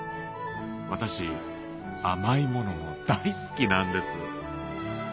私甘いものも大好きなんです